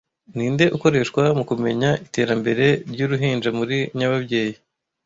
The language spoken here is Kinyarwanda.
Ninde ukoreshwa mukumenya iterambere ryuruhinja muri nyababyeyi